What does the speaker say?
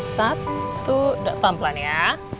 satu pelan pelan ya